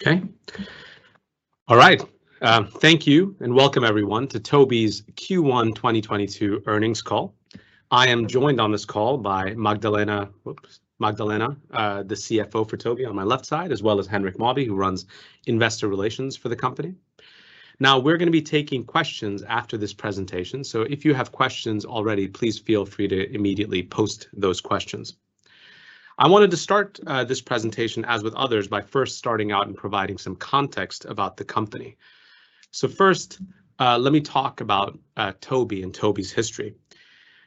Okay. All right. Thank you, and Welcome Everyone To Tobii's Q1 2022 Earnings Call. I am joined on this call by Magdalena, the CFO for Tobii on my left side, as well as Henrik Eskilsson, who runs investor relations for the company. Now, we're gonna be taking questions after this presentation, so if you have questions already, please feel free to immediately post those questions. I wanted to start this presentation, as with others, by first starting out and providing some context about the company. First, let me talk about Tobii and Tobii's history.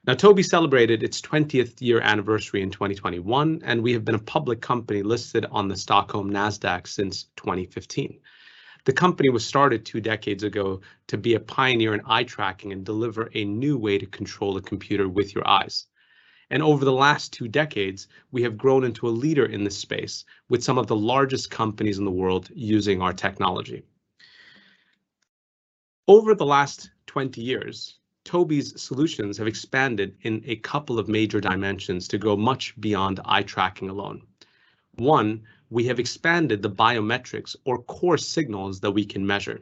Now, Tobii celebrated its 20th year anniversary in 2021, and we have been a public company listed on the Nasdaq Stockholm since 2015. The company was started 2 decades ago to be a pioneer in eye tracking and deliver a new way to control a computer with your eyes. Over the last 2 decades, we have grown into a leader in this space with some of the largest companies in the world using our technology. Over the last 20 years, Tobii's solutions have expanded in a couple of major dimensions to go much beyond eye tracking alone. One, we have expanded the biometrics or core signals that we can measure.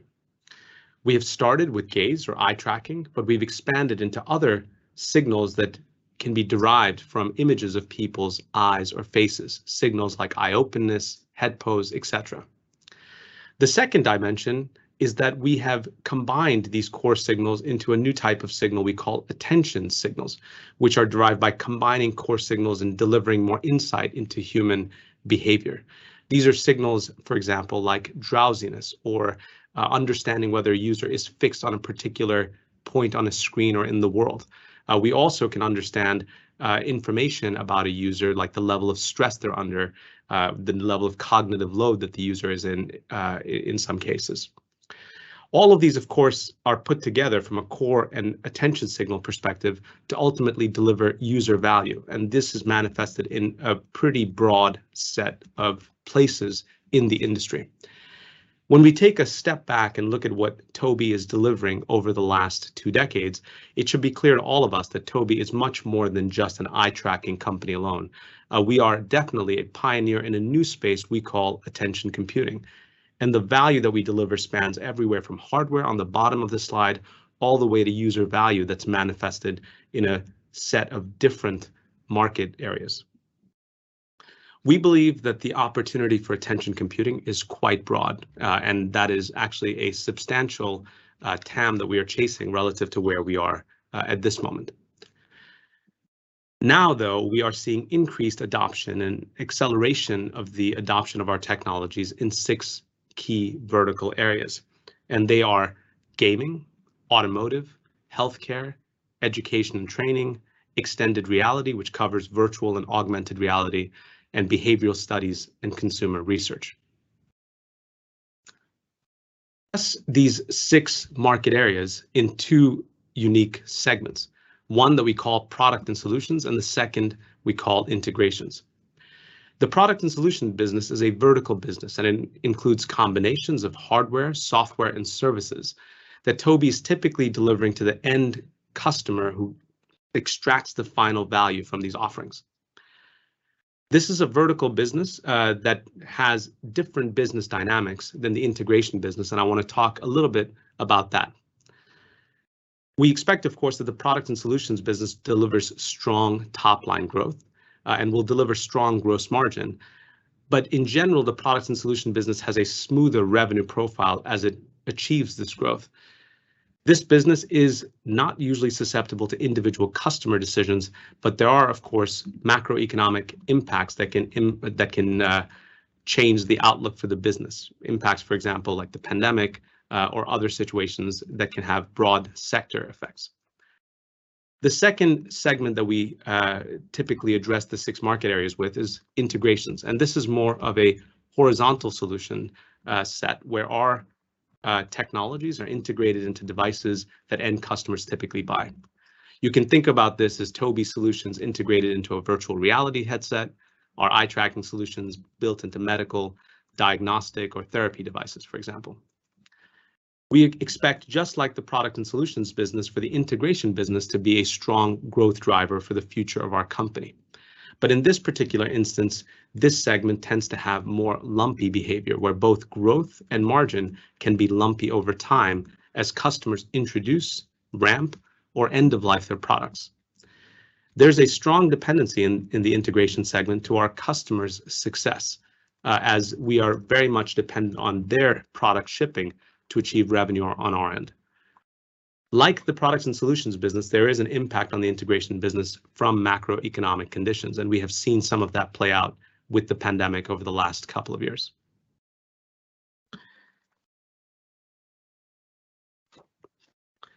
We have started with gaze or eye tracking, but we've expanded into other signals that can be derived from images of people's eyes or faces, signals like eye openness, head pose, et cetera. The second dimension is that we have combined these core signals into a new type of signal we call attention signals, which are derived by combining core signals and delivering more insight into human behavior. These are signals, for example, like drowsiness or understanding whether a user is fixed on a particular point on a screen or in the world. We also can understand information about a user, like the level of stress they're under, the level of cognitive load that the user is in some cases. All of these, of course, are put together from a core and attention signal perspective to ultimately deliver user value, and this is manifested in a pretty broad set of places in the industry. When we take a step back and look at what Tobii is delivering over the last two decades, it should be clear to all of us that Tobii is much more than just an eye tracking company alone. We are definitely a pioneer in a new space we call attention computing, and the value that we deliver spans everywhere from hardware on the bottom of the slide all the way to user value that's manifested in a set of different market areas. We believe that the opportunity for attention computing is quite broad, and that is actually a substantial, TAM that we are chasing relative to where we are, at this moment. Now, though, we are seeing increased adoption and acceleration of the adoption of our technologies in six key vertical areas, and they are gaming, automotive, healthcare, education and training, extended reality, which covers virtual and augmented reality, and behavioral studies and consumer research. These six market areas in two unique segments. One that we call product and solutions, and the second we call integrations. The product and solution business is a vertical business, and it includes combinations of hardware, software, and services that Tobii is typically delivering to the end customer who extracts the final value from these offerings. This is a vertical business that has different business dynamics than the integration business, and I wanna talk a little bit about that. We expect, of course, that the product and solutions business delivers strong top-line growth and will deliver strong gross margin. In general, the products and solution business has a smoother revenue profile as it achieves this growth. This business is not usually susceptible to individual customer decisions, but there are, of course, macroeconomic impacts that can change the outlook for the business. Impacts, for example, like the pandemic, or other situations that can have broad sector effects. The second segment that we typically address the six market areas with is integrations, and this is more of a horizontal solution set where our technologies are integrated into devices that end customers typically buy. You can think about this as Tobii solutions integrated into a virtual reality headset or eye tracking solutions built into medical, diagnostic or therapy devices, for example. We expect just like the product and solutions business for the integration business to be a strong growth driver for the future of our company. In this particular instance, this segment tends to have more lumpy behavior, where both growth and margin can be lumpy over time as customers introduce, ramp, or end of life their products. There's a strong dependency in the integration segment to our customers' success, as we are very much dependent on their product shipping to achieve revenue on our end. Like the products and solutions business, there is an impact on the integration business from macroeconomic conditions, and we have seen some of that play out with the pandemic over the last couple of years.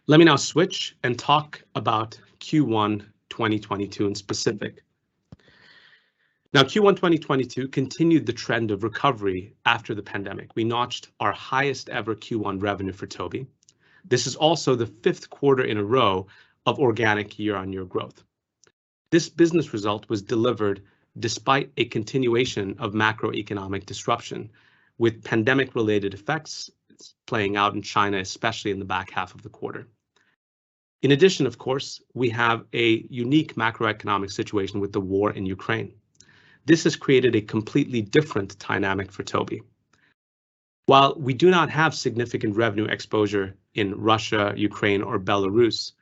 Let me now switch and talk about Q1 2022 in specific. Now, Q1 2022 continued the trend of recovery after the pandemic. We notched our highest ever Q1 revenue for Tobii. This is also the fifth quarter in a row of organic year-on-year growth. This business result was delivered despite a continuation of macroeconomic disruption with pandemic related effects playing out in China, especially in the back half of the quarter. In addition, of course, we have a unique macroeconomic situation with the war in Ukraine. This has created a completely different dynamic for Tobii. While we do not have significant revenue exposure in Russia, Ukraine, or Belarus,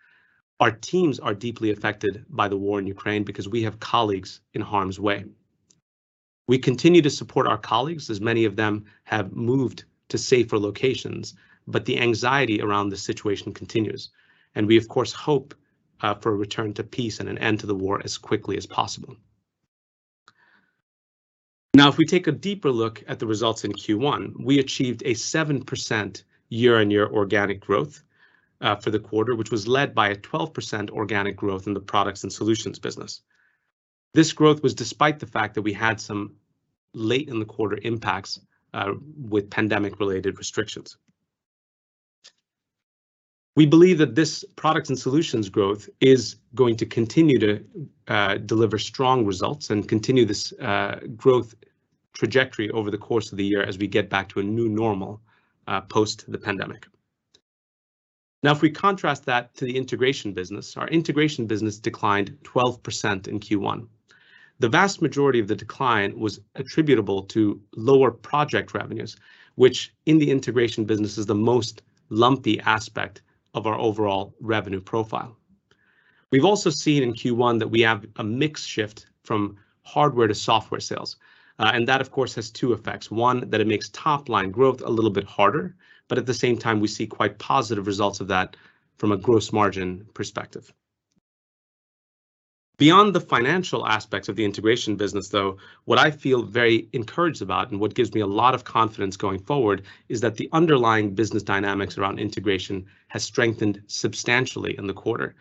our teams are deeply affected by the war in Ukraine because we have colleagues in harm's way. We continue to support our colleagues, as many of them have moved to safer locations, but the anxiety around the situation continues, and we of course hope for a return to peace and an end to the war as quickly as possible. Now, if we take a deeper look at the results in Q1, we achieved a 7% year-on-year organic growth for the quarter, which was led by a 12% organic growth in the products and solutions business. This growth was despite the fact that we had some late in the quarter impacts with pandemic-related restrictions. We believe that this products and solutions growth is going to continue to deliver strong results and continue this growth trajectory over the course of the year as we get back to a new normal post the pandemic. Now, if we contrast that to the integration business, our integration business declined 12% in Q1. The vast majority of the decline was attributable to lower project revenues, which in the integration business is the most lumpy aspect of our overall revenue profile. We've also seen in Q1 that we have a mix shift from hardware to software sales, and that of course has two effects. One, that it makes top-line growth a little bit harder, but at the same time we see quite positive results of that from a gross margin perspective. Beyond the financial aspects of the integration business though, what I feel very encouraged about and what gives me a lot of confidence going forward is that the underlying business dynamics around integration has strengthened substantially in the quarter,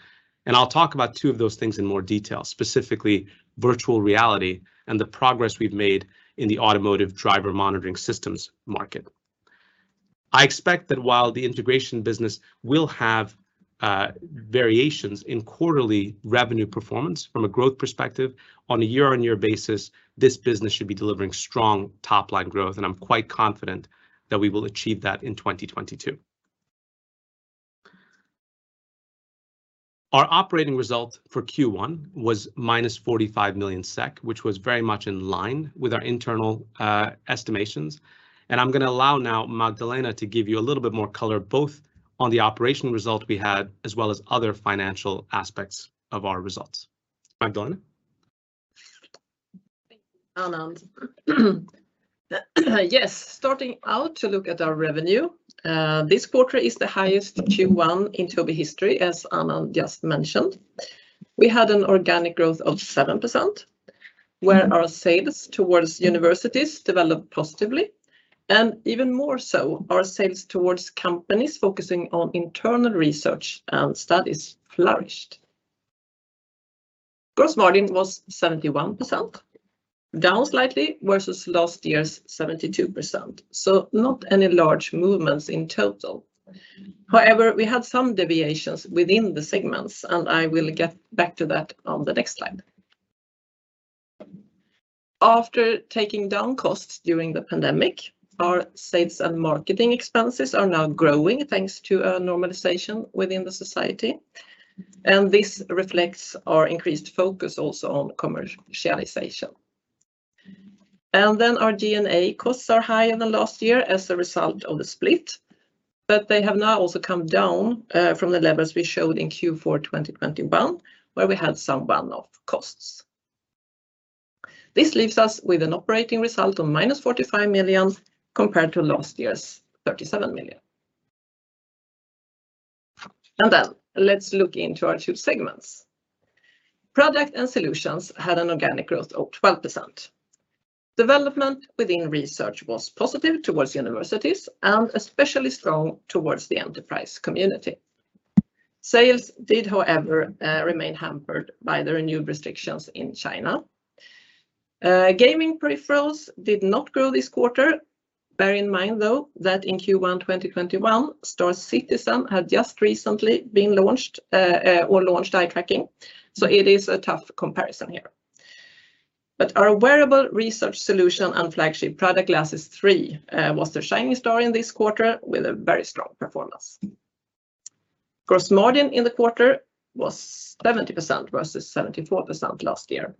and I'll talk about two of those things in more detail, specifically virtual reality and the progress we've made in the automotive driver monitoring systems market. I expect that while the integration business will have variations in quarterly revenue performance from a growth perspective, on a year-on-year basis, this business should be delivering strong top-line growth, and I'm quite confident that we will achieve that in 2022. Our operating result for Q1 was -45 million SEK, which was very much in line with our internal estimations, and I'm gonna allow now Magdalena to give you a little bit more color, both on the operational result we had as well as other financial aspects of our results. Magdalena? Thank you, Anand. Yes, starting out to look at our revenue, this quarter is the highest Q1 in Tobii history, as Anand just mentioned. We had an organic growth of 7%, where our sales towards universities developed positively, and even more so, our sales towards companies focusing on internal research and studies flourished. Gross margin was 71%, down slightly versus last year's 72%, so not any large movements in total. However, we had some deviations within the segments, and I will get back to that on the next slide. After taking down costs during the pandemic, our sales and marketing expenses are now growing, thanks to a normalization within the society, and this reflects our increased focus also on commercialization. Our G&A costs are higher than last year as a result of the split, but they have now also come down from the levels we showed in Q4 2021, where we had some one-off costs. This leaves us with an operating result of -45 million, compared to last year's 37 million. Let's look into our two segments. Product and solutions had an organic growth of 12%. Development within research was positive towards universities, and especially strong towards the enterprise community. Sales did, however, remain hampered by the renewed restrictions in China. Gaming peripherals did not grow this quarter. Bear in mind though that in Q1 2021, Star Citizen had just recently been launched or launched eye tracking, so it is a tough comparison here. Our wearable research solution and flagship product, Glasses 3, was the shining star in this quarter with a very strong performance. Gross margin in the quarter was 70% versus 74% last year,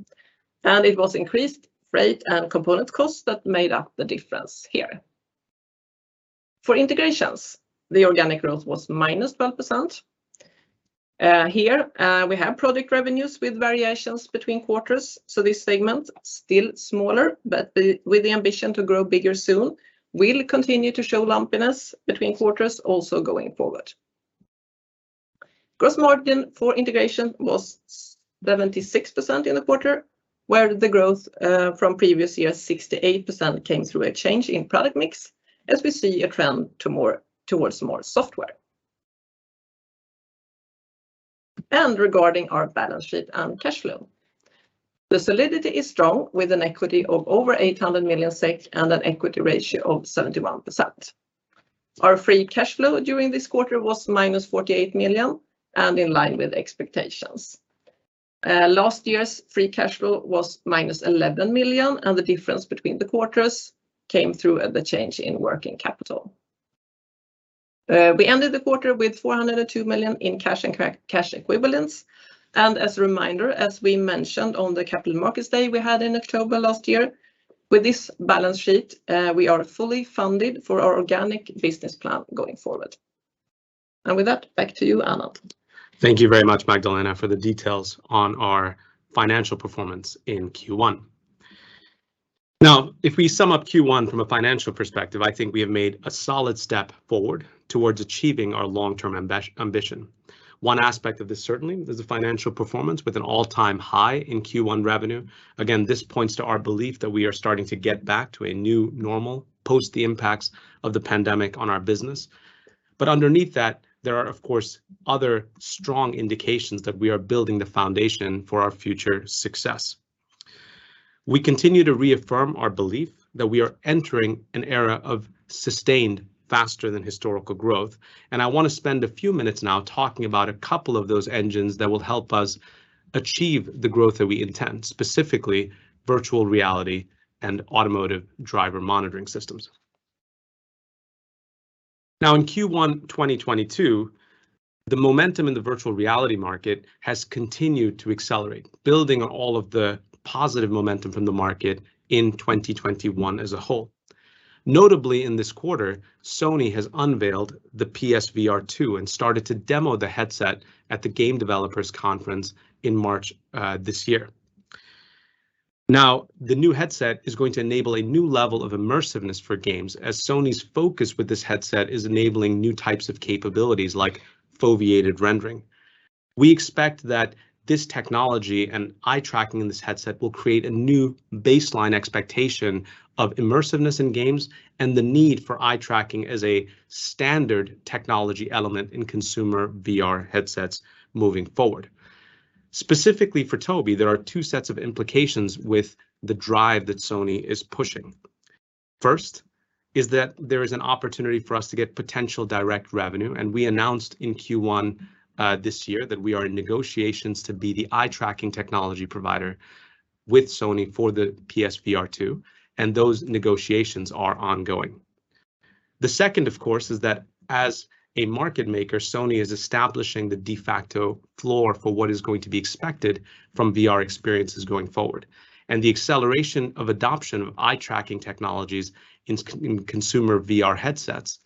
and it was increased freight and component costs that made up the difference here. For integrations, the organic growth was -12%. Here, we have product revenues with variations between quarters, so this segment, still smaller, but with the ambition to grow bigger soon, will continue to show lumpiness between quarters also going forward. Gross margin for integration was 76% in the quarter, where the growth from previous year, 68%, came through a change in product mix as we see a trend to more, towards more software. Regarding our balance sheet and cash flow, the solidity is strong with an equity of over 800 million SEK and an equity ratio of 71%. Our free cash flow during this quarter was -48 million, and in line with expectations. Last year's free cash flow was -11 million, and the difference between the quarters came through at the change in working capital. We ended the quarter with 402 million in cash and cash equivalents. As a reminder, as we mentioned on the Capital Markets Day we had in October last year, with this balance sheet, we are fully funded for our organic business plan going forward. With that, back to you, Anand. Thank you very much, Magdalena, for the details on our financial performance in Q1. Now, if we sum up Q1 from a financial perspective, I think we have made a solid step forward towards achieving our long-term ambition. One aspect of this certainly is the financial performance with an all-time high in Q1 revenue. Again, this points to our belief that we are starting to get back to a new normal, post the impacts of the pandemic on our business. Underneath that, there are, of course, other strong indications that we are building the foundation for our future success. We continue to reaffirm our belief that we are entering an era of sustained faster than historical growth, and I wanna spend a few minutes now talking about a couple of those engines that will help us achieve the growth that we intend, specifically virtual reality and automotive driver monitoring systems. Now, in Q1 2022, the momentum in the virtual reality market has continued to accelerate, building on all of the positive momentum from the market in 2021 as a whole. Notably, in this quarter, Sony has unveiled the PS VR2 and started to demo the headset at the Game Developers Conference in March, this year. Now, the new headset is going to enable a new level of immersiveness for games, as Sony's focus with this headset is enabling new types of capabilities like foveated rendering. We expect that this technology and eye tracking in this headset will create a new baseline expectation of immersiveness in games and the need for eye tracking as a standard technology element in consumer VR headsets moving forward. Specifically for Tobii, there are two sets of implications with the drive that Sony is pushing. First is that there is an opportunity for us to get potential direct revenue, and we announced in Q1 this year that we are in negotiations to be the eye tracking technology provider with Sony for the PS VR2, and those negotiations are ongoing. The second, of course, is that as a market maker, Sony is establishing the de facto floor for what is going to be expected from VR experiences going forward. The acceleration of adoption of eye tracking technologies in consumer VR headsets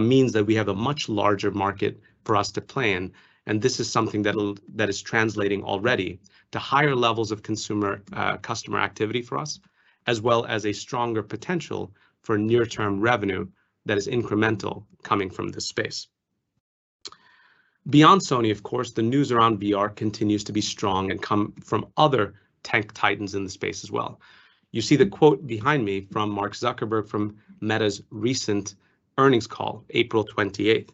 means that we have a much larger market for us to plan, and this is something that is translating already to higher levels of consumer customer activity for us, as well as a stronger potential for near-term revenue that is incremental coming from this space. Beyond Sony, of course, the news around VR continues to be strong and come from other tech titans in the space as well. You see the quote behind me from Mark Zuckerberg from Meta's recent earnings call, April 28th.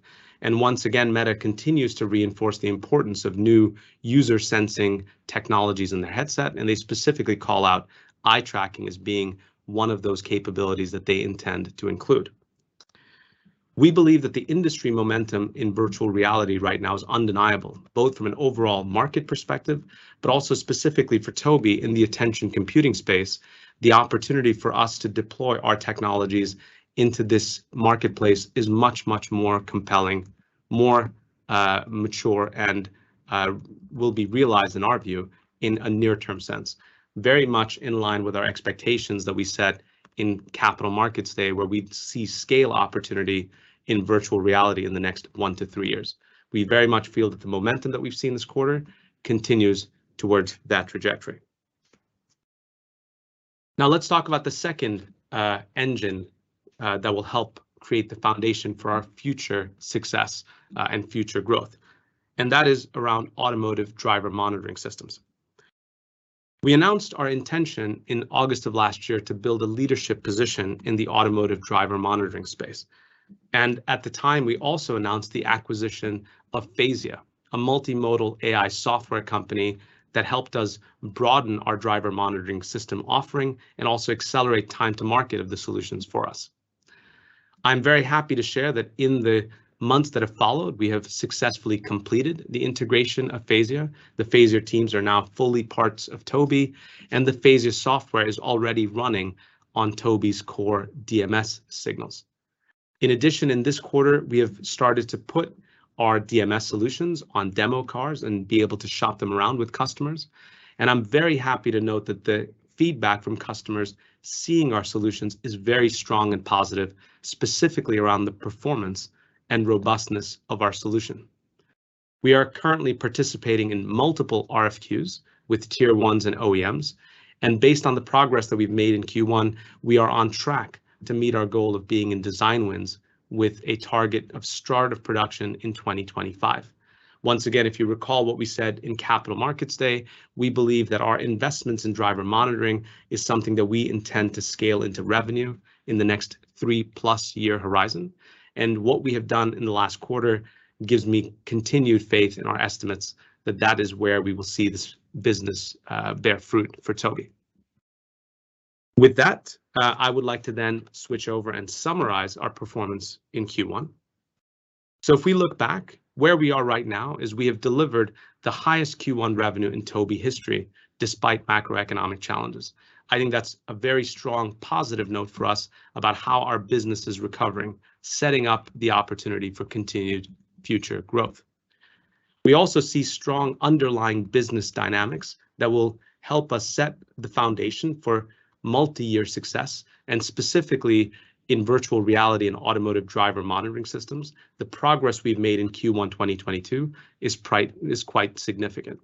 Once again, Meta continues to reinforce the importance of new user-sensing technologies in their headset, and they specifically call out eye tracking as being one of those capabilities that they intend to include. We believe that the industry momentum in virtual reality right now is undeniable, both from an overall market perspective, but also specifically for Tobii in the attention computing space. The opportunity for us to deploy our technologies into this marketplace is much, much more compelling, more mature, and will be realized, in our view, in a near-term sense, very much in line with our expectations that we set in Capital Markets Day, where we see scale opportunity in virtual reality in the next 1-3 years. We very much feel that the momentum that we've seen this quarter continues towards that trajectory. Now let's talk about the second engine that will help create the foundation for our future success and future growth, and that is around automotive driver monitoring systems. We announced our intention in August of last year to build a leadership position in the automotive driver monitoring space. At the time, we also announced the acquisition of Phasya, a multimodal AI software company that helped us broaden our driver monitoring system offering and also accelerate time to market of the solutions for us. I'm very happy to share that in the months that have followed, we have successfully completed the integration of Phasya. The Phasya teams are now fully part of Tobii, and the Phasya software is already running on Tobii's core DMS signals. In addition, in this quarter, we have started to put our DMS solutions on demo cars and be able to shop them around with customers, and I'm very happy to note that the feedback from customers seeing our solutions is very strong and positive, specifically around the performance and robustness of our solution. We are currently participating in multiple RFQs with tier ones and OEMs. Based on the progress that we've made in Q1, we are on track to meet our goal of being in design wins with a target of start of production in 2025. Once again, if you recall what we said in Capital Markets Day, we believe that our investments in driver monitoring is something that we intend to scale into revenue in the next three-plus year horizon. What we have done in the last quarter gives me continued faith in our estimates that that is where we will see this business, bear fruit for Tobii. With that, I would like to then switch over and summarize our performance in Q1. If we look back, where we are right now is we have delivered the highest Q1 revenue in Tobii history, despite macroeconomic challenges. I think that's a very strong positive note for us about how our business is recovering, setting up the opportunity for continued future growth. We also see strong underlying business dynamics that will help us set the foundation for multi-year success, and specifically in virtual reality and automotive driver monitoring systems. The progress we've made in Q1 2022 is quite significant.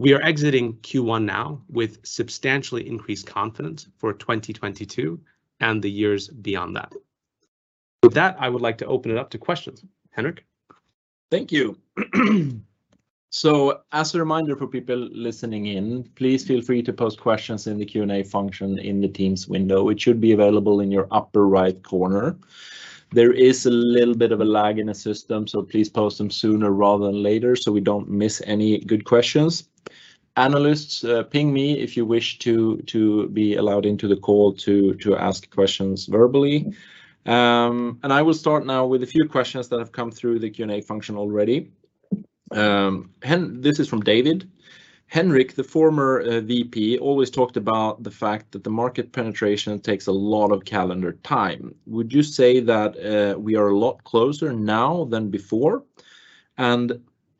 We are exiting Q1 now with substantially increased confidence for 2022 and the years beyond that. With that, I would like to open it up to questions. Henrik? Thank you. As a reminder for people listening in, please feel free to post questions in the Q&A function in the teams window, which should be available in your upper right corner. There is a little bit of a lag in the system, so please post them sooner rather than later so we don't miss any good questions. Analysts, ping me if you wish to be allowed into the call to ask questions verbally. I will start now with a few questions that have come through the Q&A function already. This is from David. "Henrik, the former VP, always talked about the fact that the market penetration takes a lot of calendar time. Would you say that we are a lot closer now than before?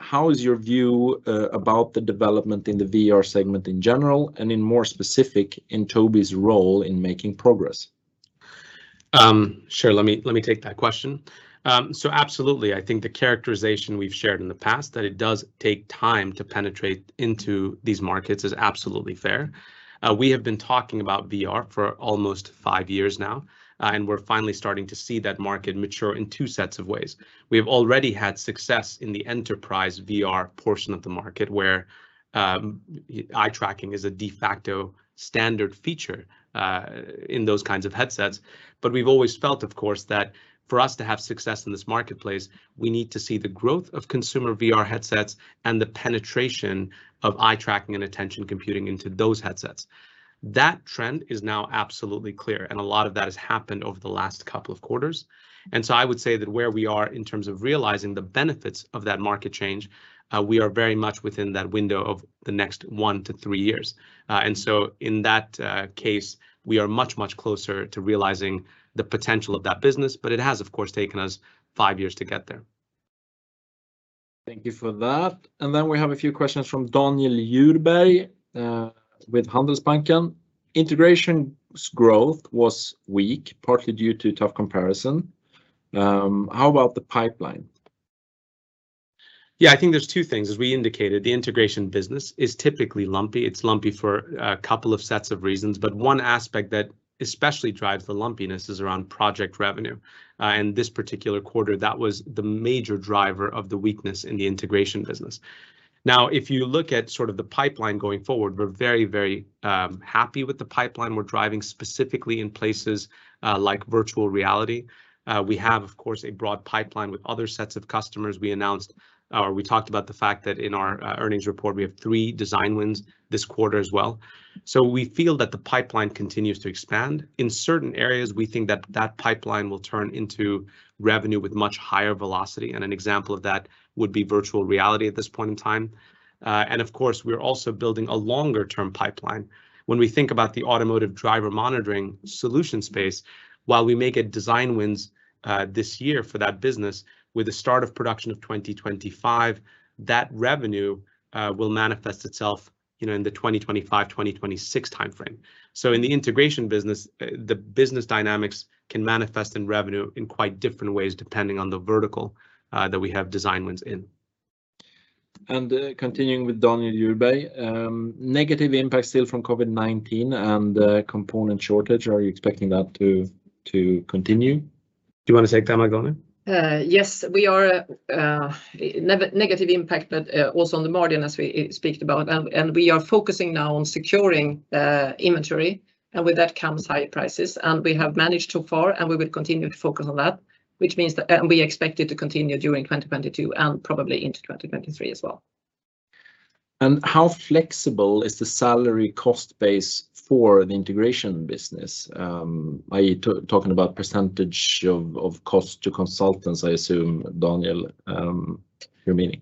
How is your view about the development in the VR segment in general, and in more specific, in Tobii's role in making progress? Sure. Let me take that question. Absolutely, I think the characterization we've shared in the past that it does take time to penetrate into these markets is absolutely fair. We have been talking about VR for almost five years now, and we're finally starting to see that market mature in two sets of ways. We have already had success in the enterprise VR portion of the market, where eye tracking is a de facto standard feature in those kinds of headsets. We've always felt, of course, that for us to have success in this marketplace, we need to see the growth of consumer VR headsets and the penetration of eye tracking and attention computing into those headsets. That trend is now absolutely clear, and a lot of that has happened over the last couple of quarters. I would say that where we are in terms of realizing the benefits of that market change, we are very much within that window of the next 1-3 years. In that case, we are much, much closer to realizing the potential of that business, but it has, of course, taken us 5 years to get there. Thank you for that. We have a few questions from Daniel Djurberg with Handelsbanken. "Integration's growth was weak, partly due to tough comparison. How about the pipeline? Yeah, I think there's two things. As we indicated, the integration business is typically lumpy. It's lumpy for a couple of sets of reasons, but one aspect that especially drives the lumpiness is around project revenue. This particular quarter, that was the major driver of the weakness in the integration business. Now, if you look at sort of the pipeline going forward, we're very happy with the pipeline we're driving, specifically in places like virtual reality. We have, of course, a broad pipeline with other sets of customers. We announced, or we talked about the fact that in our earnings report, we have three design wins this quarter as well. We feel that the pipeline continues to expand. In certain areas, we think that pipeline will turn into revenue with much higher velocity, and an example of that would be virtual reality at this point in time. Of course, we're also building a longer term pipeline. When we think about the automotive driver monitoring solution space, while we may get design wins this year for that business, with the start of production of 2025, that revenue will manifest itself, you know, in the 2025, 2026 timeframe. In the integration business, the business dynamics can manifest in revenue in quite different ways, depending on the vertical that we have design wins in. Continuing with Daniel Djurberg, negative impact still from COVID-19 and component shortage. Are you expecting that to continue? Do you wanna take that, Magdalena Andersson? Yes. We are negative impact also on the margin as we speak about, and we are focusing now on securing inventory, and with that comes high prices. We have managed so far, and we will continue to focus on that, which means that, and we expect it to continue during 2022 and probably into 2023 as well. How flexible is the salary cost base for the integration business? Are you talking about percentage of cost to consultants, I assume, Daniel, you're meaning?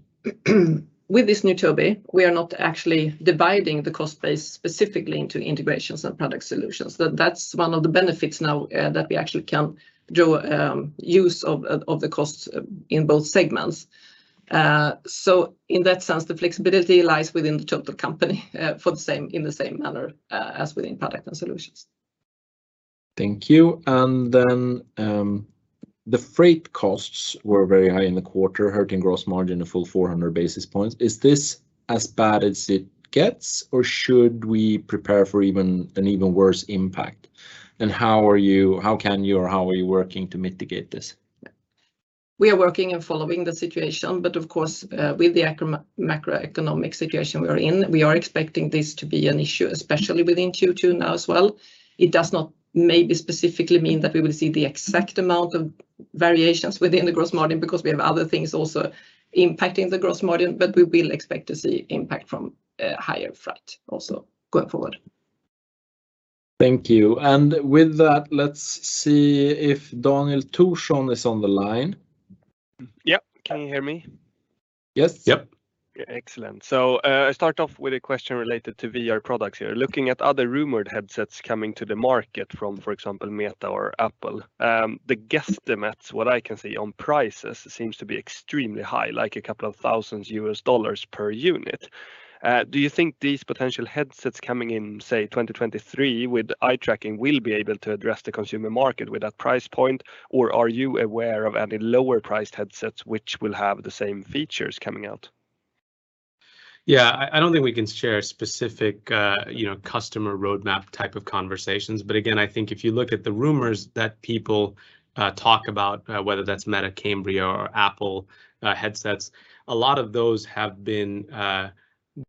With this new Tobii, we are not actually dividing the cost base specifically into integrations and product solutions. That's one of the benefits now that we actually can do use of the costs in both segments. In that sense, the flexibility lies within the total company for the same in the same manner as within product and solutions. Thank you. The freight costs were very high in the quarter, hurting gross margin a full 400 basis points. Is this as bad as it gets, or should we prepare for even worse impact? How are you working to mitigate this? We are working and following the situation, but of course, with the macroeconomic situation we are in, we are expecting this to be an issue, especially within Q2 now as well. It does not maybe specifically mean that we will see the exact amount of variations within the gross margin, because we have other things also impacting the gross margin, but we will expect to see impact from higher freight also going forward. Thank you. With that, let's see if Daniel Djurberg is on the line. Yep. Can you hear me? Yes. Yep. Excellent. I start off with a question related to VR products here. Looking at other rumored headsets coming to the market from, for example, Meta or Apple, the guesstimates, what I can see on prices seems to be extremely high, like $2,000 per unit. Do you think these potential headsets coming in, say, 2023 with eye tracking will be able to address the consumer market with that price point, or are you aware of any lower priced headsets which will have the same features coming out? I don't think we can share specific, you know, customer roadmap type of conversations. But again, I think if you look at the rumors that people talk about, whether that's Project Cambria or Apple headsets, a lot of those have been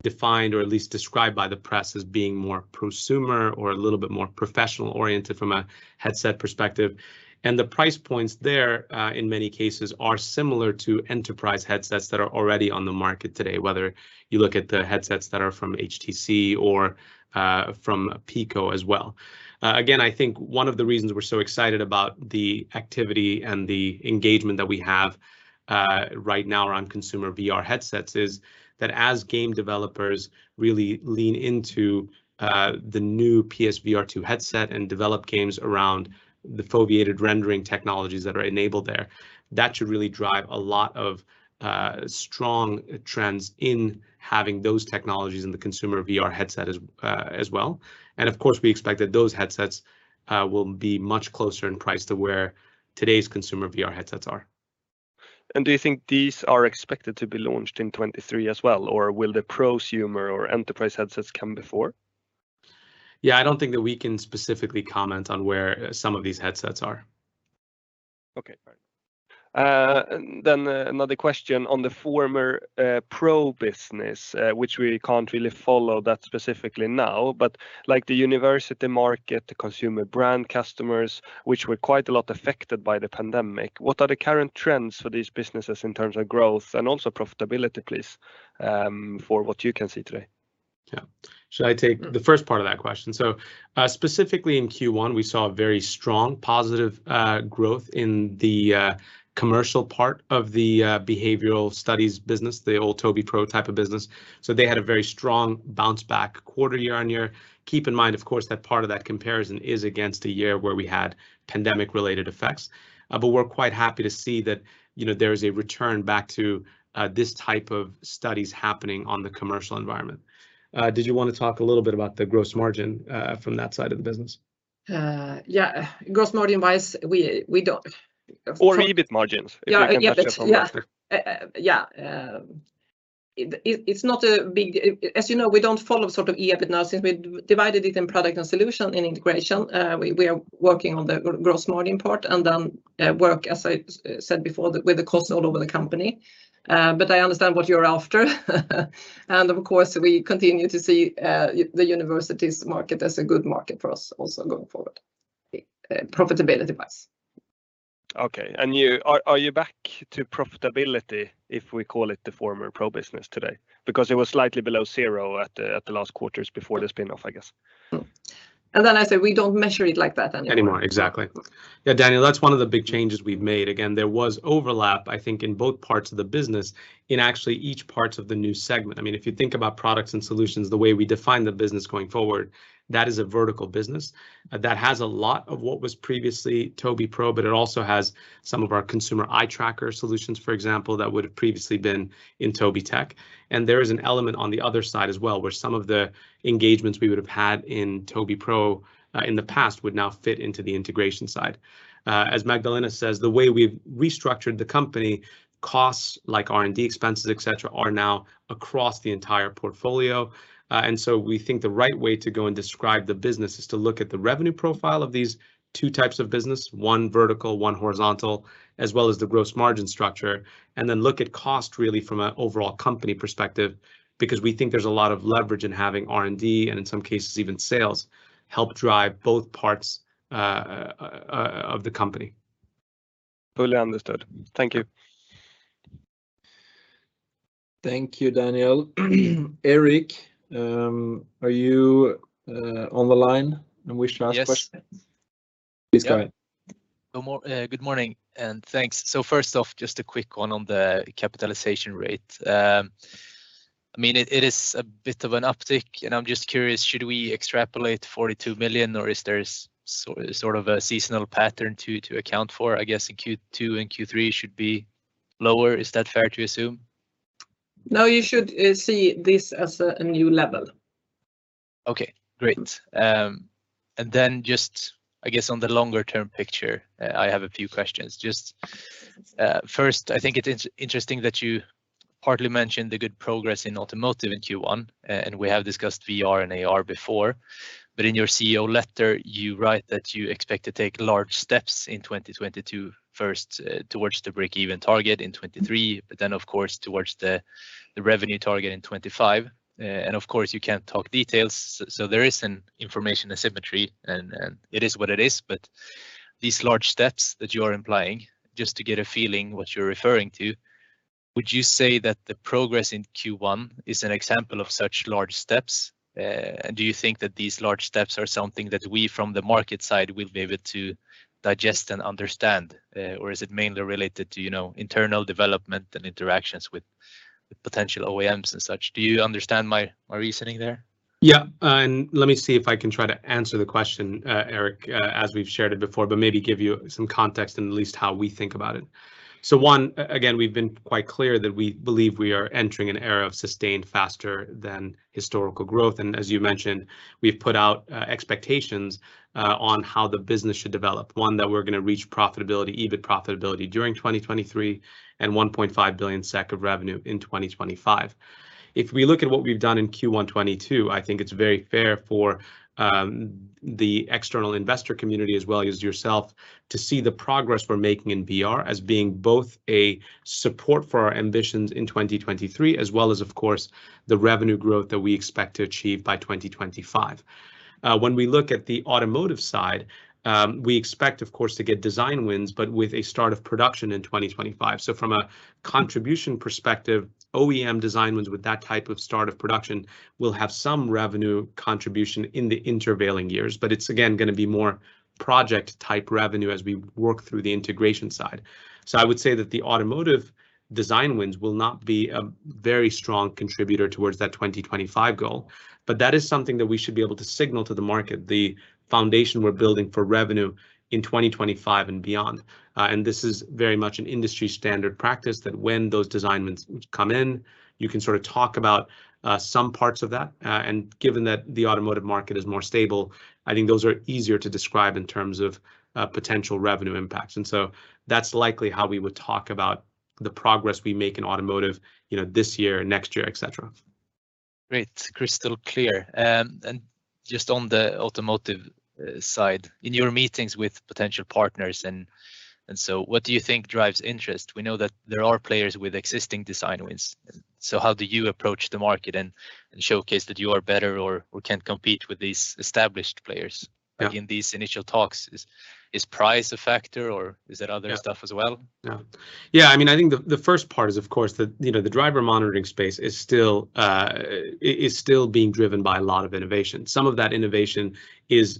defined or at least described by the press as being more prosumer or a little bit more professional oriented from a headset perspective. The price points there, in many cases are similar to enterprise headsets that are already on the market today, whether you look at the headsets that are from HTC or from Pico as well. Again, I think one of the reasons we're so excited about the activity and the engagement that we have right now around consumer VR headsets is that as game developers really lean into the new PlayStation VR2 headset and develop games around the foveated rendering technologies that are enabled there, that should really drive a lot of strong trends in having those technologies in the consumer VR headset as well. Of course, we expect that those headsets will be much closer in price to where today's consumer VR headsets are. Do you think these are expected to be launched in 2023 as well, or will the prosumer or enterprise headsets come before? Yeah, I don't think that we can specifically comment on where some of these headsets are. Okay. All right. Another question on the former Pro business, which we can't really follow that specifically now, but like the university market, the consumer brand customers, which were quite a lot affected by the pandemic, what are the current trends for these businesses in terms of growth and also profitability, please, for what you can see today? Yeah. Should I take the first part of that question? Specifically in Q1, we saw a very strong positive growth in the commercial part of the behavioral studies business, the old Tobii Pro type of business. They had a very strong bounce back quarter year-on-year. Keep in mind, of course, that part of that comparison is against a year where we had pandemic related effects. We're quite happy to see that, you know, there is a return back to this type of studies happening on the commercial environment. Did you want to talk a little bit about the gross margin from that side of the business? Yeah. Gross margin wise, we don't. EBIT margins if you can measure from that. It's not a big. As you know, we don't follow sort of EBIT now since we divided it in product and solution and integration. We are working on the gross margin part, and then, as I said before, with the costs all over the company. I understand what you're after. Of course, we continue to see the universities market as a good market for us also going forward, profitability wise. Okay. Are you back to profitability, if we call it the former Pro business today? Because it was slightly below zero at the last quarters before the spin-off, I guess. I say we don't measure it like that anymore. Anymore. Exactly. Yeah, Daniel, that's one of the big changes we've made. Again, there was overlap, I think, in both parts of the business in actually each parts of the new segment. I mean, if you think about products and solutions, the way we define the business going forward, that is a vertical business. That has a lot of what was previously Tobii Pro, but it also has some of our consumer eye tracker solutions, for example, that would have previously been in Tobii Tech. There is an element on the other side as well, where some of the engagements we would have had in Tobii Pro, in the past would now fit into the integration side. As Magdalena says, the way we've restructured the company, costs like R&D expenses, et cetera, are now across the entire portfolio. We think the right way to go and describe the business is to look at the revenue profile of these two types of business, one vertical, one horizontal, as well as the gross margin structure, and then look at cost really from an overall company perspective, because we think there's a lot of leverage in having R&D, and in some cases even sales, help drive both parts of the company. Fully understood. Thank you. Thank you, Daniel. Erik, are you on the line and wish to ask questions? Yes. Please go ahead. Good morning, and thanks. First off, just a quick one on the capitalization rate. I mean, it is a bit of an uptick, and I'm just curious, should we extrapolate 42 million, or is there sort of a seasonal pattern to account for? I guess in Q2 and Q3 should be lower. Is that fair to assume? No, you should see this as a new level. Okay, great. Just, I guess on the longer term picture, I have a few questions. Just, first, I think it interesting that you partly mentioned the good progress in automotive in Q1, and we have discussed VR and AR before. In your CEO letter, you write that you expect to take large steps in 2022 first, towards the breakeven target in 2023, but then of course towards the revenue target in 2025. Of course, you can't talk details, so there is an information asymmetry, and it is what it is. These large steps that you are implying, just to get a feeling what you're referring to. Would you say that the progress in Q1 is an example of such large steps? Do you think that these large steps are something that we from the market side will be able to digest and understand? Or is it mainly related to, you know, internal development and interactions with potential OEMs and such? Do you understand my reasoning there? Yeah. Let me see if I can try to answer the question, Erik, as we've shared it before, but maybe give you some context in at least how we think about it. One, again, we've been quite clear that we believe we are entering an era of sustained faster than historical growth. As you mentioned, we've put out expectations on how the business should develop. One, that we're gonna reach profitability, EBIT profitability, during 2023, and 1.5 billion SEK of revenue in 2025. If we look at what we've done in Q1 2022, I think it's very fair for the external investor community as well as yourself to see the progress we're making in VR as being both a support for our ambitions in 2023, as well as, of course, the revenue growth that we expect to achieve by 2025. When we look at the automotive side, we expect, of course, to get design wins, but with a start of production in 2025. From a contribution perspective, OEM design wins with that type of start of production will have some revenue contribution in the intervening years. It's, again, gonna be more project type revenue as we work through the integration side. I would say that the automotive design wins will not be a very strong contributor towards that 2025 goal, but that is something that we should be able to signal to the market, the foundation we're building for revenue in 2025 and beyond. This is very much an industry standard practice, that when those design wins come in, you can sort of talk about some parts of that. Given that the automotive market is more stable, I think those are easier to describe in terms of potential revenue impacts. That's likely how we would talk about the progress we make in automotive, you know, this year, next year, et cetera. Great. Crystal clear. Just on the automotive side, in your meetings with potential partners and so what do you think drives interest? We know that there are players with existing design wins, so how do you approach the market and showcase that you are better or can compete with these established players? Yeah. In these initial talks, is price a factor, or is there other? Yeah Stuff as well? No. Yeah, I mean, I think the first part is, of course, you know, the driver monitoring space is still. It is still being driven by a lot of innovation. Some of that innovation is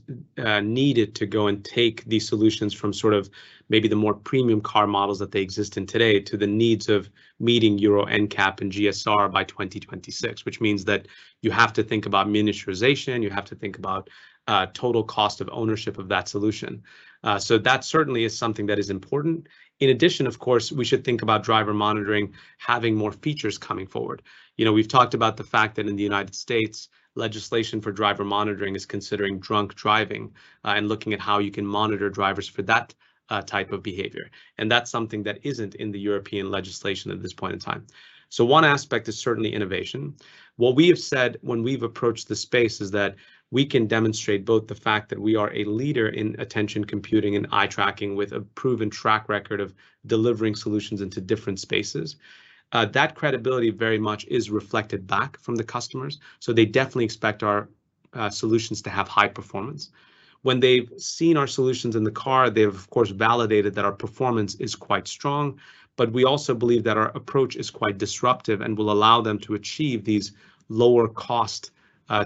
needed to go and take these solutions from sort of maybe the more premium car models that they exist in today to the needs of meeting Euro NCAP and GSR by 2026, which means that you have to think about miniaturization. You have to think about total cost of ownership of that solution. That certainly is something that is important. In addition, of course, we should think about driver monitoring having more features coming forward. You know, we've talked about the fact that in the United States, legislation for driver monitoring is considering drunk driving, and looking at how you can monitor drivers for that type of behavior, and that's something that isn't in the European legislation at this point in time. One aspect is certainly innovation. What we have said when we've approached the space is that we can demonstrate both the fact that we are a leader in attention computing and eye tracking with a proven track record of delivering solutions into different spaces. That credibility very much is reflected back from the customers, so they definitely expect our solutions to have high performance. When they've seen our solutions in the car, they've of course validated that our performance is quite strong, but we also believe that our approach is quite disruptive and will allow them to achieve these lower cost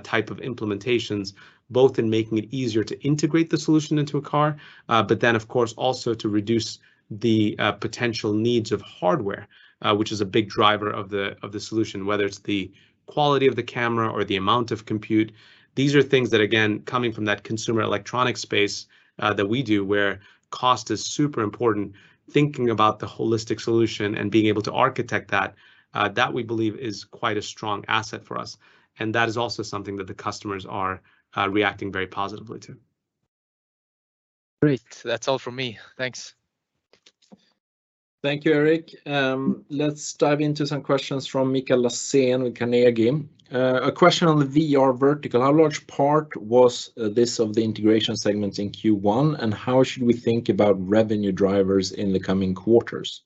type of implementations, both in making it easier to integrate the solution into a car, but then of course also to reduce the potential needs of hardware, which is a big driver of the solution. Whether it's the quality of the camera or the amount of compute, these are things that, again, coming from that consumer electronic space that we do where cost is super important, thinking about the holistic solution and being able to architect that we believe is quite a strong asset for us, and that is also something that the customers are reacting very positively to. Great. That's all from me. Thanks. Thank you, Eric. Let's dive into some questions from Mikael Laséen with Carnegie. A question on the VR vertical. How large part was this of the integration segments in Q1, and how should we think about revenue drivers in the coming quarters?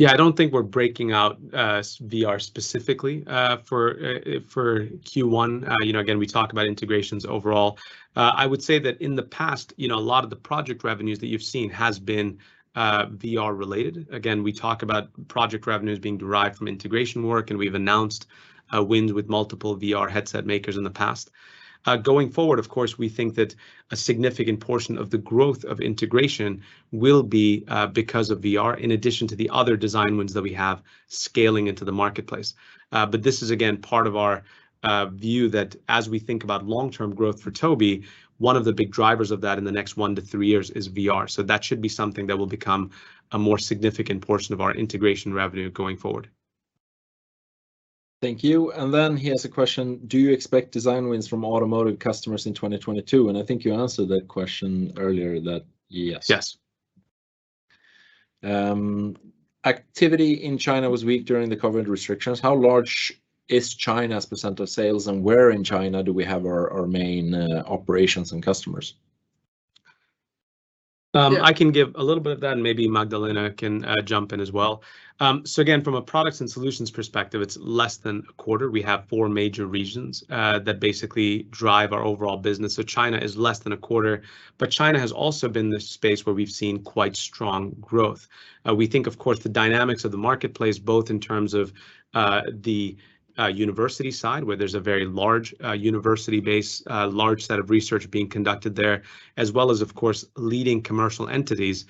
Yeah, I don't think we're breaking out VR specifically for Q1. You know, again, we talk about integrations overall. I would say that in the past, you know, a lot of the project revenues that you've seen has been VR related. Again, we talk about project revenues being derived from integration work, and we've announced wins with multiple VR headset makers in the past. Going forward, of course, we think that a significant portion of the growth of integration will be because of VR in addition to the other design wins that we have scaling into the marketplace. This is, again, part of our view that as we think about long-term growth for Tobii, one of the big drivers of that in the next 1 to 3 years is VR. that should be something that will become a more significant portion of our integration revenue going forward. Thank you. Then he has a question, "Do you expect design wins from automotive customers in 2022?" I think you answered that question earlier that, yes. Yes. Activity in China was weak during the COVID restrictions. How large is China's percent of sales, and where in China do we have our main operations and customers? I can give a little bit of that and maybe Magdalena can jump in as well. Again, from a products and solutions perspective, it's less than a quarter. We have four major regions that basically drive our overall business. China is less than a quarter, but China has also been the space where we've seen quite strong growth. We think, of course, the dynamics of the marketplace, both in terms of the university side, where there's a very large university base, large set of research being conducted there, as well as, of course, leading commercial entities.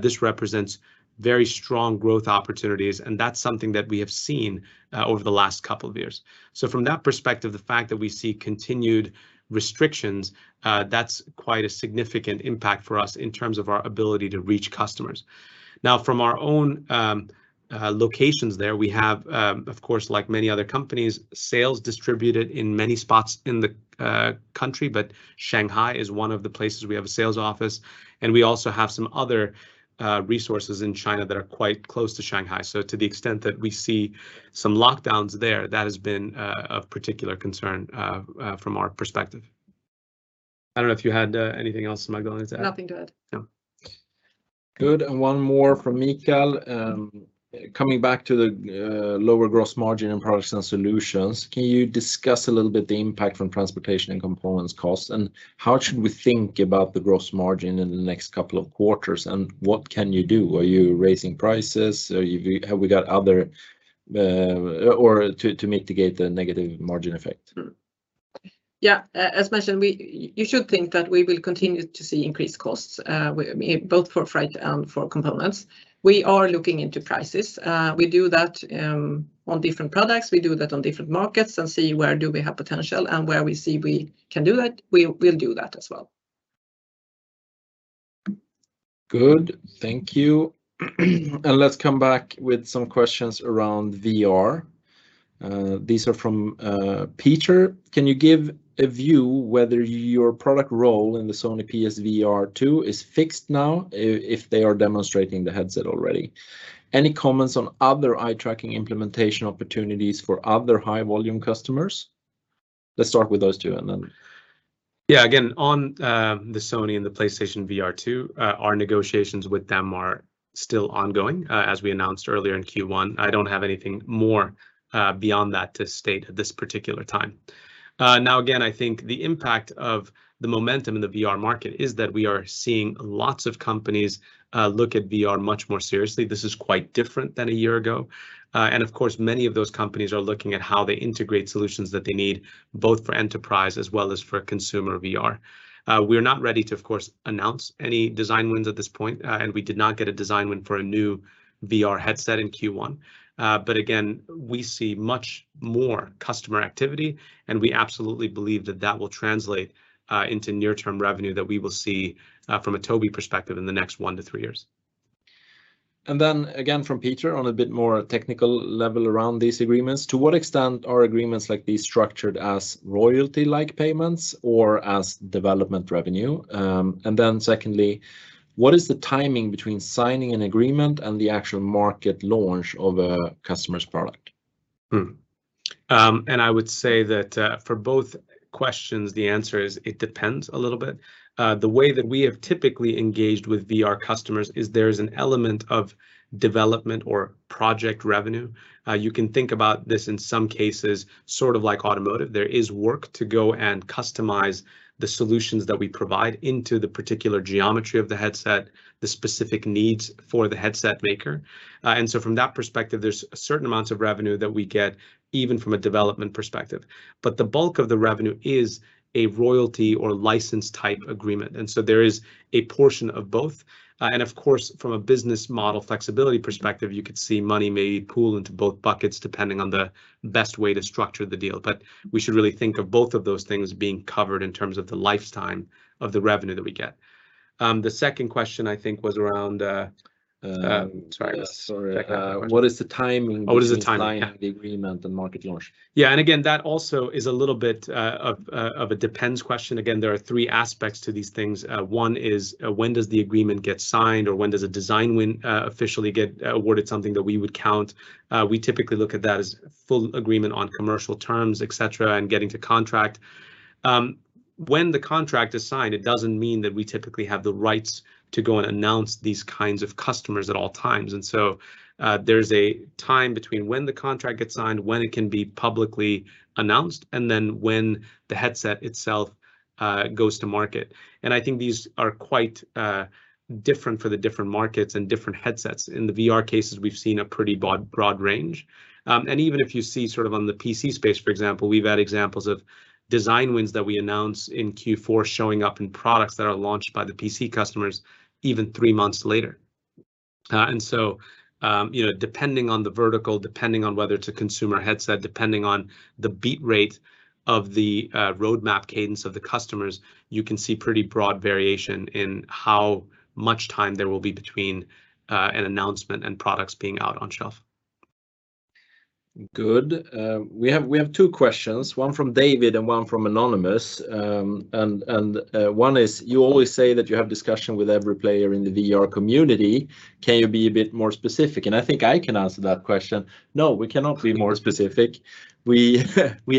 This represents very strong growth opportunities, and that's something that we have seen over the last couple of years. From that perspective, the fact that we see continued restrictions, that's quite a significant impact for us in terms of our ability to reach customers. From our own locations there, we have, of course, like many other companies, sales distributed in many spots in the country, but Shanghai is one of the places we have a sales office. We also have some other resources in China that are quite close to Shanghai. To the extent that we see some lockdowns there, that has been of particular concern from our perspective. I don't know if you had anything else, Magdalena, to add? Nothing to add. No. Good. One more from Mikael. Coming back to the lower gross margin in products and solutions, can you discuss a little bit the impact from transportation and components costs? How should we think about the gross margin in the next couple of quarters? What can you do? Are you raising prices? Have you got other tools to mitigate the negative margin effect? Yeah, as mentioned, we, you should think that we will continue to see increased costs, I mean, both for freight and for components. We are looking into prices. We do that on different products. We do that on different markets and see where do we have potential, and where we see we can do that, we will do that as well. Good. Thank you. Let's come back with some questions around VR. These are from Peter. Can you give a view whether your product role in the Sony PS VR2 is fixed now if they are demonstrating the headset already? Any comments on other eye-tracking implementation opportunities for other high-volume customers? Let's start with those two. Yeah. Again, on the Sony and the PlayStation VR2, our negotiations with them are still ongoing. As we announced earlier in Q1, I don't have anything more beyond that to state at this particular time. Now again, I think the impact of the momentum in the VR market is that we are seeing lots of companies look at VR much more seriously. This is quite different than a year ago. Of course, many of those companies are looking at how they integrate solutions that they need both for enterprise as well as for consumer VR. We're not ready to, of course, announce any design wins at this point. We did not get a design win for a new VR headset in Q1. Again, we see much more customer activity, and we absolutely believe that will translate into near-term revenue that we will see from a Tobii perspective in the next 1-3 years. from Peter, on a bit more technical level around these agreements. To what extent are agreements like these structured as royalty-like payments or as development revenue? What is the timing between signing an agreement and the actual market launch of a customer's product? I would say that, for both questions, the answer is it depends a little bit. The way that we have typically engaged with VR customers is there is an element of development or project revenue. You can think about this in some cases sort of like automotive. There is work to go and customize the solutions that we provide into the particular geometry of the headset, the specific needs for the headset maker. From that perspective, there's certain amounts of revenue that we get even from a development perspective. The bulk of the revenue is a royalty or license type agreement, and there is a portion of both. Of course, from a business model flexibility perspective, you could see money may pool into both buckets depending on the best way to structure the deal. We should really think of both of those things being covered in terms of the lifetime of the revenue that we get. The second question I think was around. Yes. Check out that one. Sorry. What is the timing? Oh, what is the timing? Yeah. Between signing the agreement and market launch? That also is a little bit of a it depends question. Again, there are three aspects to these things. One is when does the agreement get signed, or when does a design win officially get awarded something that we would count? We typically look at that as full agreement on commercial terms, et cetera, and getting to contract. When the contract is signed, it doesn't mean that we typically have the rights to go and announce these kinds of customers at all times. There's a time between when the contract gets signed, when it can be publicly announced, and then when the headset itself goes to market. I think these are quite different for the different markets and different headsets. In the VR cases, we've seen a pretty broad range. Even if you see sort of on the PC space, for example, we've had examples of design wins that we announce in Q4 showing up in products that are launched by the PC customers even three months later. You know, depending on the vertical, depending on whether it's a consumer headset, depending on the beat rate of the roadmap cadence of the customers, you can see pretty broad variation in how much time there will be between an announcement and products being out on shelf. Good. We have two questions, one from David and one from anonymous. One is, you always say that you have discussion with every player in the VR community. Can you be a bit more specific? I think I can answer that question. No, we cannot be more specific. We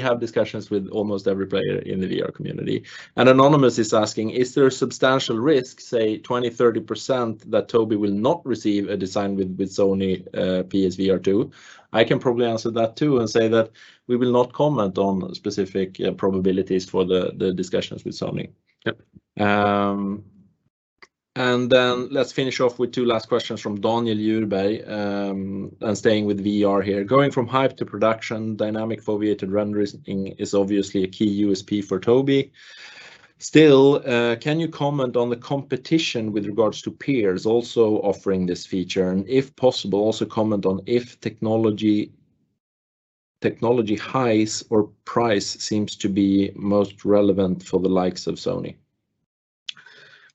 have discussions with almost every player in the VR community. Anonymous is asking, is there a substantial risk, say 20%-30%, that Tobii will not receive a design win with Sony PlayStation VR2? I can probably answer that too and say that we will not comment on specific probabilities for the discussions with Sony. Yep. Then let's finish off with two last questions from Daniel Djurberg, and staying with VR here. Going from hype to production, dynamic foveated rendering is obviously a key USP for Tobii. Still, can you comment on the competition with regards to peers also offering this feature? If possible, also comment on if technology highs or price seems to be most relevant for the likes of Sony.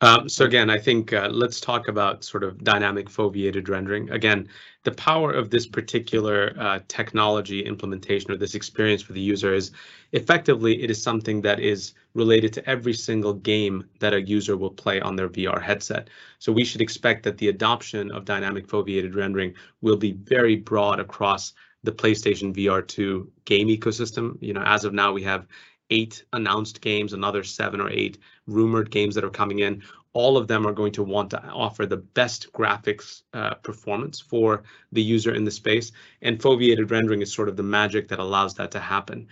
Again, I think, let's talk about sort of dynamic foveated rendering. Again, the power of this particular technology implementation or this experience for the user is effectively it is something that is related to every single game that a user will play on their VR headset. We should expect that the adoption of dynamic foveated rendering will be very broad across the PlayStation VR2 game ecosystem. You know, as of now, we have 8 announced games, another 7 or 8 rumored games that are coming in. All of them are going to want to offer the best graphics performance for the user in the space, and foveated rendering is sort of the magic that allows that to happen.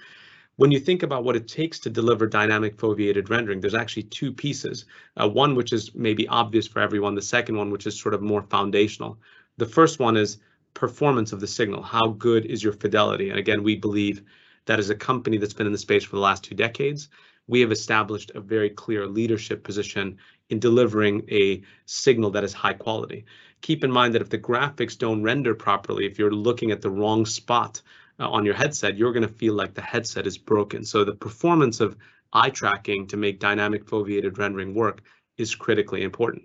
When you think about what it takes to deliver dynamic foveated rendering, there's actually two pieces, one which is maybe obvious for everyone, the second one, which is sort of more foundational. The first one is performance of the signal. How good is your fidelity? Again, we believe that as a company that's been in the space for the last two decades, we have established a very clear leadership position in delivering a signal that is high quality. Keep in mind that if the graphics don't render properly, if you're looking at the wrong spot on your headset, you're gonna feel like the headset is broken. The performance of eye tracking to make dynamic foveated rendering work is critically important.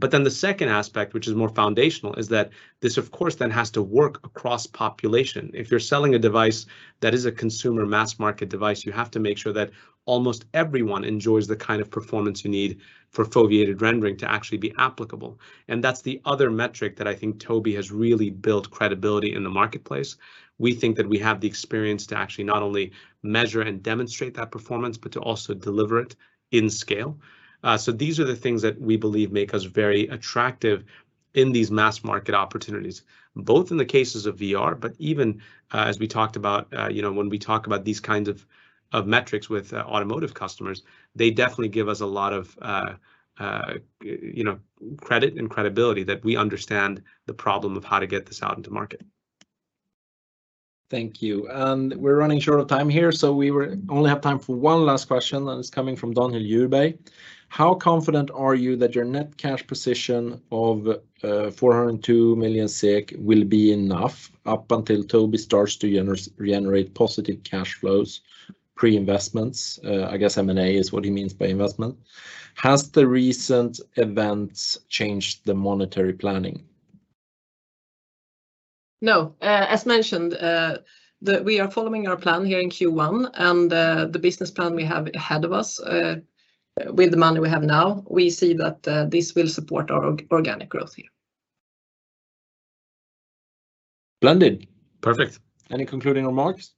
The second aspect, which is more foundational, is that this of course then has to work across population. If you're selling a device that is a consumer mass market device, you have to make sure that almost everyone enjoys the kind of performance you need for foveated rendering to actually be applicable. That's the other metric that I think Tobii has really built credibility in the marketplace. We think that we have the experience to actually not only measure and demonstrate that performance, but to also deliver it in scale. These are the things that we believe make us very attractive in these mass market opportunities, both in the cases of VR, but even, as we talked about, you know, when we talk about these kinds of of metrics with, automotive customers, they definitely give us a lot of, you know, credit and credibility that we understand the problem of how to get this out into market. Thank you. We're running short of time here, so only have time for one last question, and it's coming from Daniel Djurberg. How confident are you that your net cash position of 402 million SEK will be enough up until Tobii starts to generate positive cash flows, pre-investments? I guess M&A is what he means by investment. Has the recent events changed the monetary planning? Now, as mentioned, we are following our plan here in Q1, and the business plan we have ahead of us, with the money we have now, we see that this will support our organic growth here. Blended. Perfect. Any concluding remarks?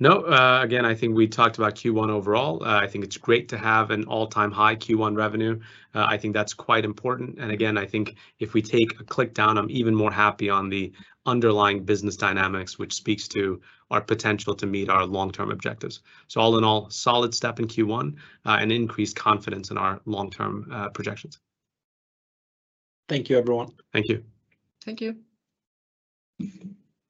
No. Again, I think we talked about Q1 overall. I think it's great to have an all-time high Q1 revenue. I think that's quite important. Again, I think if we drill down, I'm even more happy on the underlying business dynamics, which speaks to our potential to meet our long-term objectives. All in all, solid step in Q1, and increased confidence in our long-term projections. Thank you, everyone. Thank you. Thank you.